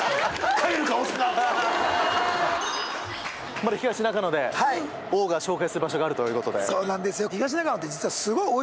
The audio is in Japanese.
まだ東中野で王が紹介する場所があるということで。